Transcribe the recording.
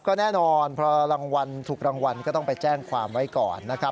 ก็แน่นอนพอรางวัลถูกรางวัลก็ต้องไปแจ้งความไว้ก่อนนะครับ